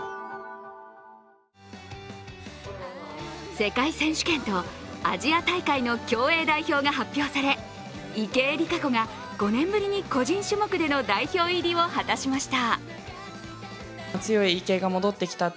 世界選手権とアジア大会の競泳代表が発表され池江璃花子が５年ぶりに個人種目での代表入りを果たしました。